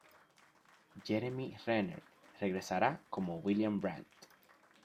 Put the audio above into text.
Jeremy Renner regresará como William Brandt.